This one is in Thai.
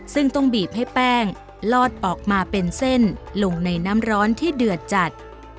ซึ่งต้องบีบให้แป้งลอดออกมาเป็นเส้นลงในน้ำร้อนที่เดือดจัด